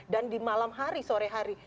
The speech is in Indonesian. dan di malam hari sore hari